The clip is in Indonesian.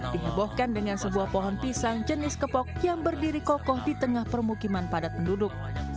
dihebohkan dengan sebuah pohon pisang jenis kepok yang berdiri kokoh di tengah permukiman padat penduduk